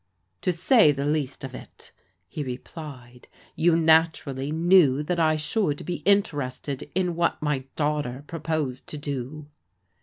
" To say the least of it," he replied. " You naturally knew that I should be interested in what my daughter proposed to do."